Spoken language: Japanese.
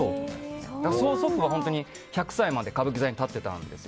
曽祖父は１００歳まで歌舞伎座に立っていたんですよ。